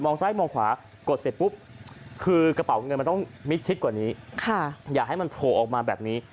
ซ้ายมองขวากดเสร็จปุ๊บคือกระเป๋าเงินมันต้องมิดชิดกว่านี้อย่าให้มันโผล่ออกมาแบบนี้